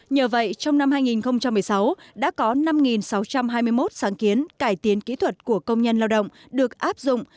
nhờ vậy trong năm hai nghìn một mươi sáu đã có năm sáu trăm hai mươi một sáng kiến cải tiến kỹ thuật của công nhân lao động được áp dụng